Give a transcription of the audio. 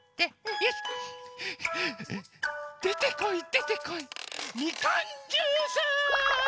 よし！でてこいでてこいみかんジュース！